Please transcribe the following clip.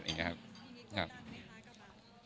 อันนี้กดดันไหมคะกระบาด